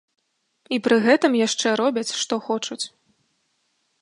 І пры гэтым яшчэ робяць, што хочуць.